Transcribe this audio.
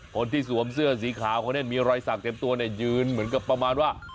คนที่สวมเสื้อสีขาของเนี่ยมีรอยศักดิ์เสร็จตัวเนี่ยยืนเหมือนกับประมาณว่า